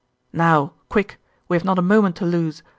'Now! quick! We have not a moment to lose.